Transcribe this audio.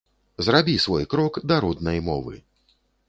Зрабі свой крок да роднай мовы!